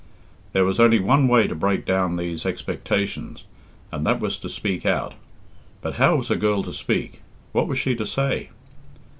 There was only one way to break down these expectations, and that was to speak out. But how was a girl to speak? What was she to say?